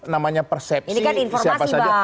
namanya persepsi siapa saja ini kan informasi bang